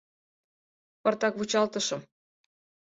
Пыртак вучалтышым...